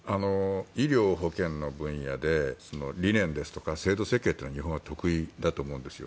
医療・保健の分野での理念ですとか制度設計って日本は得意だと思うんですよ。